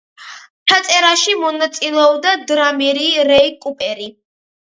ჩაწერაში მონაწილეობდა დრამერი რეი კუპერი.